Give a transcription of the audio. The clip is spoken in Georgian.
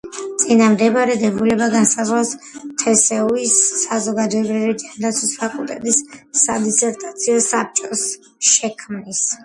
წინამდებარე დებულება განსაზღვრავს თსსუ-ის საზოგადოებრივი ჯანდაცვის ფაკულტეტის სადისერტაციო საბჭოს შექმნის.